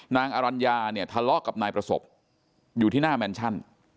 อรัญญาเนี่ยทะเลาะกับนายประสบอยู่ที่หน้าแมนชั่น